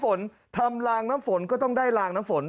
ฝนทำลางน้ำฝนก็ต้องได้ลางน้ำฝน